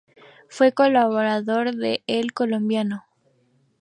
Fue colaborador del El Colombiano.